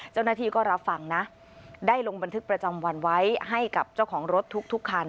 เจ้าหน้าที่ก็รับฟังนะได้ลงบันทึกประจำวันไว้ให้กับเจ้าของรถทุกคัน